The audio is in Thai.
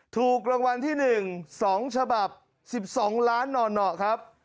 ถูกรางวัลที่๑๒ฉบับ๑๒ล้านหน่อครับ